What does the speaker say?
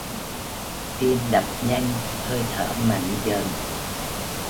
Tim đập nhanh hơi thở mạnh Dần